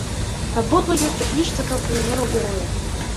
Абодва ёсць у кніжцы пра піянераў-герояў.